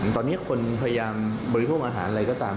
ตอนนี้คนพยายามบริโภคอาหารอะไรก็ตาม